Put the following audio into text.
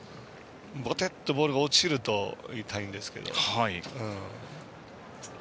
ぼてっとボールが落ちると痛いんですけどね。